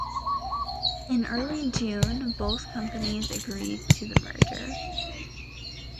In early June, both companies agreed to the merger.